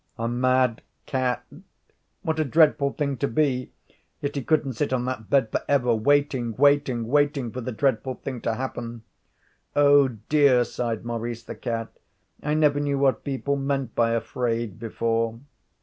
A mad cat. What a dreadful thing to be! Yet he couldn't sit on that bed for ever, waiting, waiting, waiting for the dreadful thing to happen. 'Oh, dear,' sighed Maurice the cat. 'I never knew what people meant by "afraid" before.'